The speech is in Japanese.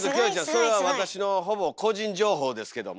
それは私のほぼ個人情報ですけども。